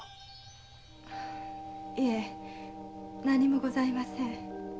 何もございません。